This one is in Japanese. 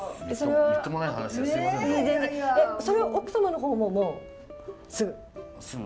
それは奥様の方もすぐ？